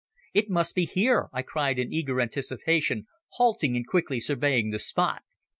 "It must be here!" I cried in eager anticipation, halting and quickly surveying the spot.